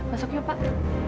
masuk yuk pak